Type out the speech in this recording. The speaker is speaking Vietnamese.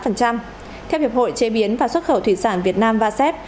theo hiệp hội chế biến và xuất khẩu thủy sản việt nam vasep